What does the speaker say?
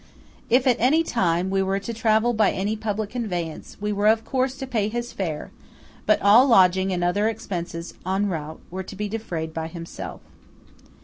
If at any time we were to travel by any public conveyance, we were of course to pay his fare; but all lodging and other expenses en route were to be defrayed by himself.